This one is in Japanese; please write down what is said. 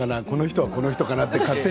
この人はこの人かな？